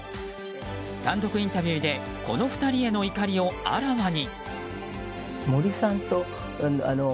単独インタビューでこの２人への怒りをあらわに。